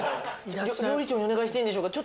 料理長にお願いしていいんでしょうか？